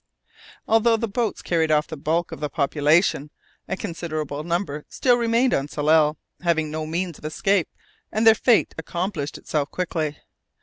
Although the boats carried off the bulk of the population, a considerable number still remained on Tsalal, having no means of escape, and their fate accomplished itself quickly.